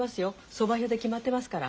相場表で決まってますから。